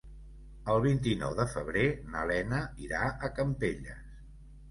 El vint-i-nou de febrer na Lena irà a Campelles.